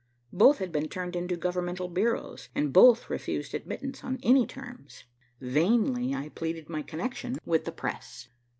Both had been turned into governmental bureaus, and both refused admittance on any terms. Vainly I pleaded my connection with the press.